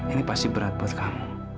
ini pasti berat buat kamu